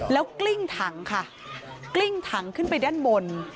แล้วกลิ้งถังค่ะกลิ้งถังขึ้นไปด้านบน